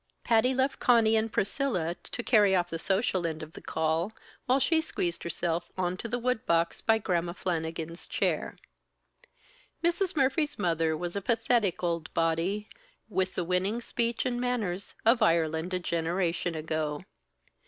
Patty left Conny and Priscilla to carry off the social end of the call, while she squeezed herself onto the woodbox by Gramma Flannigan's chair. Mrs. Murphy's mother was a pathetic old body, with the winning speech and manners of Ireland a generation ago.